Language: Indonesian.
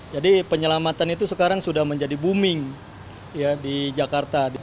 jadi penyelamatan itu sekarang sudah menjadi booming di jakarta